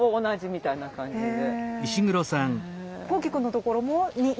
みたいな感じで。